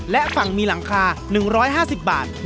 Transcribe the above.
และฝั่งมีหลังคา๑๕๐บาท